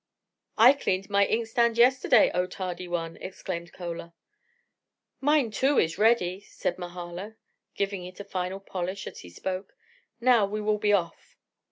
"I cleaned my inkstand yesterday, oh, tardy one!" exclaimed Chola. "Mine, too, is ready," said Mahala, giving it a final polish as he spoke. "Now we will be off."